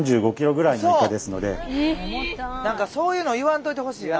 何かそういうの言わんといてほしいな。